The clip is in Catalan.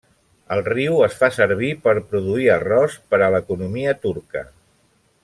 El riu es fa servir per produir arròs per a l'economia turca.